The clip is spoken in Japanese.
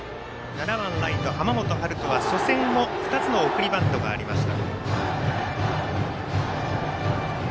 ７番ライト、濱本遥大は初戦も２つの送りバントがありました。